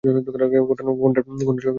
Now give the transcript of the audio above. ঘণ্টার শব্দ অনুসরণ কর, সিম্বা।